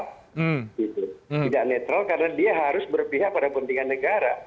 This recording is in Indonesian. tidak netral karena dia harus berpihak pada kepentingan negara